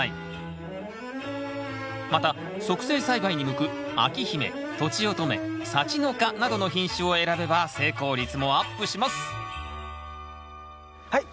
また促成栽培に向く章姫とちおとめさちのかなどの品種を選べば成功率もアップしますはい！